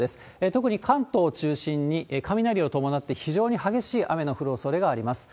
特に関東中心に、雷を伴って非常に激しい雨の降るおそれがあります。